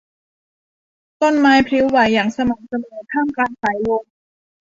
ต้นไม้พลิ้วไหวอย่างสม่ำเสมอท่ามกลางสายลม